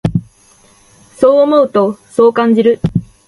そう思うと、そう感じる。